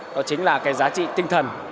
đó chính là cái giá trị tinh thần